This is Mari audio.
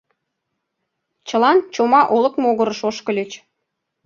Чылан Чома олык могырыш ошкыльыч.